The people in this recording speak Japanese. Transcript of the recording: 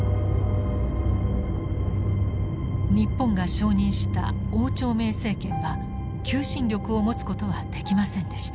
日本が承認した汪兆銘政権は求心力を持つことはできませんでした。